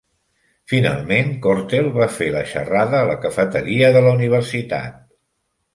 Finalment, Cortell va fer la xerrada a la cafeteria de la universitat.